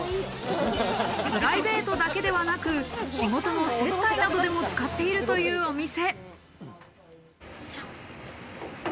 プライベートだけではなく、仕事の接待などでも使っているというお店。